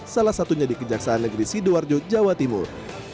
salah satunya di kejaksaan negeri sidoarjo jawa timur